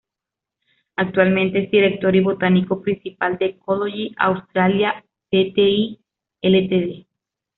Actualmente es Director y Botánico Principal de Ecology Australia Pty Ltd.